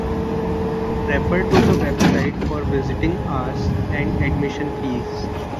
Refer to the website for visiting hours and admission fees.